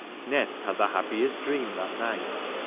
Nest had the happiest dream that night.